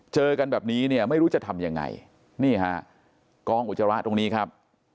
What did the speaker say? เจอกันแบบนี้เนี่ยไม่รู้จะทำยังไงนี่ฮะกองอุจจาระตรงนี้ครับ